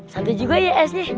satu juga es ya